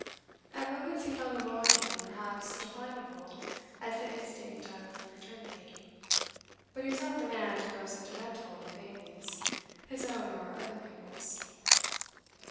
At moments he felt a longing perhaps definable as the instinct of paternity; but he was not the man to grow sentimental over babies, his own or other people's.